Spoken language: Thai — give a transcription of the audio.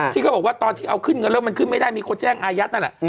ที่เขาบอกว่าตอนที่เอาขึ้นเงินแล้วมันขึ้นไม่ได้มีคนแจ้งอายัดนั่นแหละ